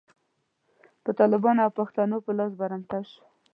په طالبانو او پښتنو په لاس برمته شوه.